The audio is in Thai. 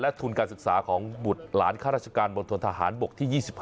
ทุนการศึกษาของบุตรหลานข้าราชการมณฑนทหารบกที่๒๕